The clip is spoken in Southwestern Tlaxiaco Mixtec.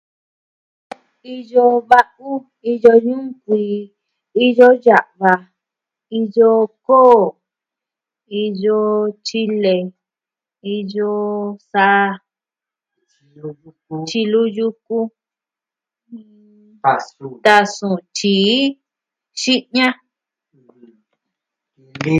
Iyo va'u, iyo ñunkui, iyo ya'va, iyo koo, iyo tyile, iyo saa, tyilu yuku, tasu, tyii, xi'ña.